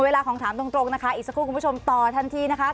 เวลาของถามตรงนะคะอีกสักครู่คุณผู้ชมต่อทันทีนะคะ